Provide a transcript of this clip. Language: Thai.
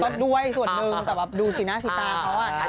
ก็ด้วยส่วนหนึ่งแต่แบบดูสีหน้าสีตาเขาอ่ะ